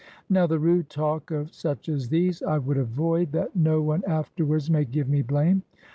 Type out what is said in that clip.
Now the rude talk of such as these I would 31 GREECE avoid, that no one afterwards may give me blame.